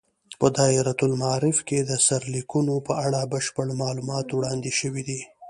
په دایرة المعارف کې د سرلیکونو په اړه بشپړ معلومات وړاندې شوي دي.